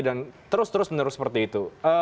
dan terus terus menerus seperti itu